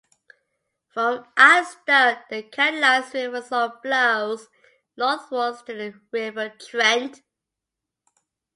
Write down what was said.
From Aylestone the canalised River Soar flows northwards to the River Trent.